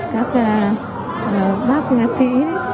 các bác ca sĩ